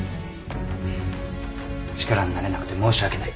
力になれなくて申し訳ない。